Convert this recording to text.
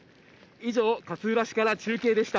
以上、勝浦市から中継でした。